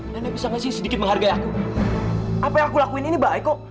nenek bisa ngasih sedikit menghargai aku apa yang aku lakuin ini baik kok